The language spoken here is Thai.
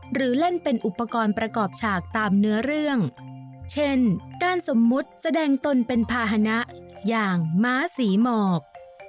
หรือเล่นเป็นอุปกรณ์ประกอบฉากตามเนื้อเรื่องเช่นการสมมุติแสดงตนเป็นภาษณะอย่างม้าศรีหมอก